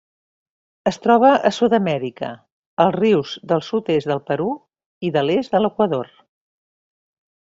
Es troba a Sud-amèrica: els rius del sud-est del Perú i de l'est de l'Equador.